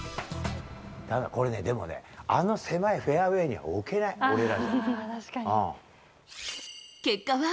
だめだ、これね、でもね、あの狭いフェアウエーに置けない、俺らには。